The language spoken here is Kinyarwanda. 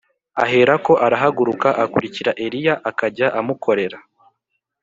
Aherako arahaguruka akurikira Eliya, akajya amukorera